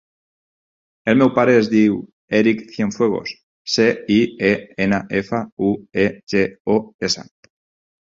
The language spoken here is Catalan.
El meu pare es diu Èric Cienfuegos: ce, i, e, ena, efa, u, e, ge, o, essa.